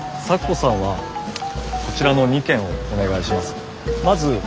咲子さんはこちらの２軒をお願いします。